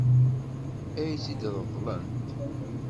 Ad iyi-tt-ṛeḍlent?